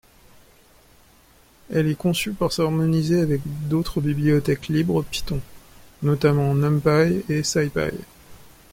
Elle est conçue pour s'harmoniser avec d'autres bibliothèques libres Python, notamment NumPy et SciPy.